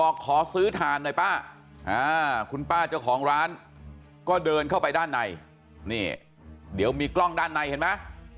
ขอซื้อถ่านหน่อยป้าคุณป้าเจ้าของร้านก็เดินเข้าไปด้านในนี่เดี๋ยวมีกล้องด้านในเห็นไหม